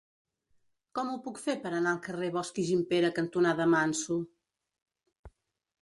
Com ho puc fer per anar al carrer Bosch i Gimpera cantonada Manso?